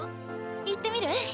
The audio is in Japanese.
行ってみる？